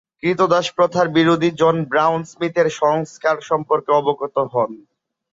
ক্রীতদাস প্রথার বিরোধী জন ব্রাউন স্মিথের সংস্কার সম্পর্কে অবগত হন।